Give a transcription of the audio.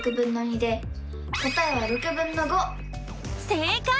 せいかい！